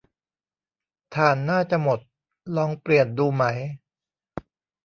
ถ่านน่าจะหมด ลองเปลี่ยนดูไหม